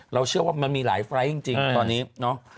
เชื่อว่ามันมีหลายไฟล์ทจริงตอนนี้เนาะ